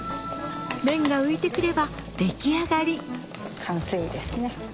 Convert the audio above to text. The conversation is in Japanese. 麺が浮いてくれば出来上がり完成ですね。